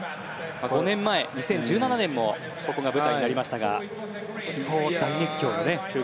５年前、２０１７年もここが舞台になりましたが大熱狂ですね。